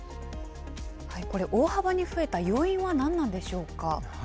これ、大幅に増えた要因は何なんでしょうか。